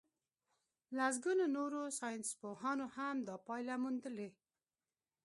لسګونو نورو ساينسپوهانو هم دا پايله موندلې.